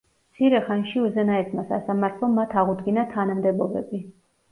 მცირე ხანში უზენაესმა სასამართლომ მათ აღუდგინა თანამდებობები.